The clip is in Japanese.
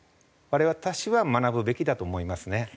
あれ私は学ぶべきだと思いますね。